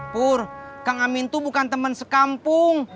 pur kang amin tuh bukan temen sekampung